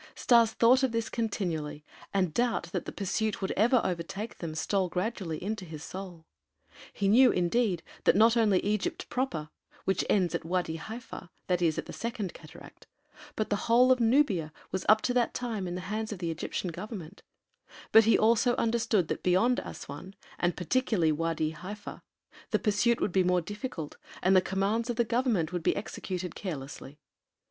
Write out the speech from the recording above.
Stas thought of this continually, and doubt that the pursuit would ever overtake them stole gradually into his soul. He knew, indeed, that not only Egypt proper, which ends at Wâdi Haifa, that is, at the Second Cataract, but the whole of Nubia was up to that time in the hands of the Egyptian Government, but he also understood that beyond Assuan and particularly Wâdi Haifa the pursuit would be more difficult and the commands of the Government would be executed carelessly.